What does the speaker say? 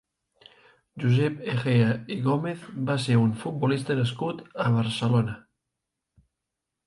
Josep Egea i Gómez va ser un futbolista nascut a Barcelona.